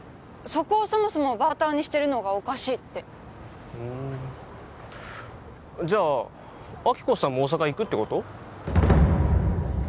そこをそもそもバーターにしてるのがおかしいってふんじゃあ亜希子さんも大阪行くってこと？